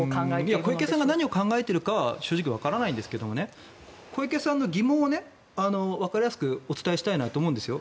小池さんが何を考えているかは正直わからないんですが小池さんの疑問をわかりやすくお伝えしたいなと思うんですよ。